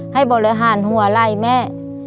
ให้บริหารหัวไล่แม่